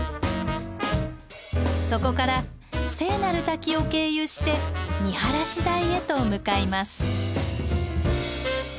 そこから聖なる滝を経由して見晴台へと向かいます。